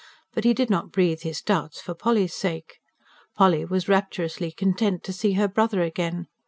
But he did not breathe his doubts for Polly's sake. Polly was rapturously content to see her brother again.